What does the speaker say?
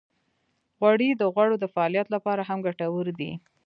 غوړې د غړو د فعالیت لپاره هم ګټورې دي.